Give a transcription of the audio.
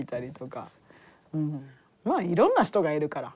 まあいろんな人がいるから。